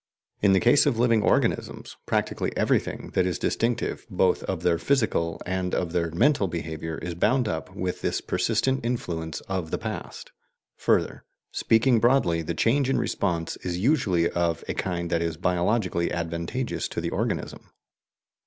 In the case of living organisms, practically everything that is distinctive both of their physical and of their mental behaviour is bound up with this persistent influence of the past. Further, speaking broadly, the change in response is usually of a kind that is biologically advantageous to the organism.